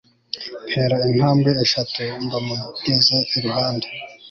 ntera intambwe eshatu mba mugeze iruhande